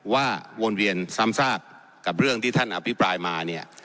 วนเวียนซ้ำซากกับเรื่องที่ท่านอภิปรายมาเนี่ย